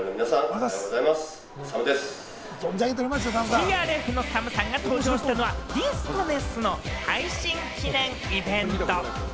ＴＲＦのＳＡＭさんが登場したのは、ディスコネスの配信記念イベント。